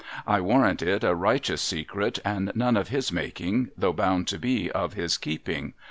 I warrant it a righteous secret, and none of his making, though bound to be of his keeping.